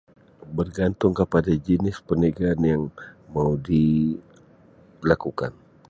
Bergantung kepada jenis perniagaan yang mau di lakukan